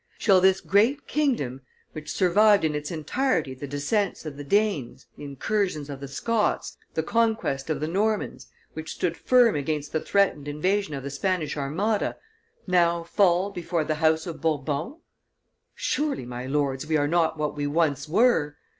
Shall this great kingdom, which survived in its entirety the descents of the Danes, the incursions of the Scots, the conquest of the Normans, which stood firm against the threatened invasion of the Spanish Armada, now fall before the House of Bourbon? Surely, my lords, we are not what we once were!